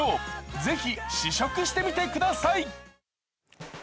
是非、試食してみてください。